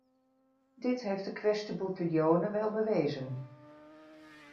Dit heeft de kwestie-Buttiglione wel bewezen.